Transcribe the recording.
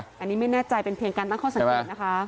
อันนี้ไม่แน่ใจเป็นเพียงการตั้งข้อสังเกตนะคะ